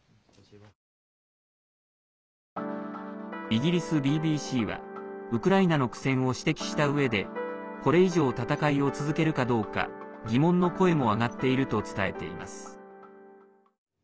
イギリスＢＢＣはウクライナの苦戦を指摘したうえでこれ以上戦いを続けるかどうか疑問の声も上がっていると伝えています。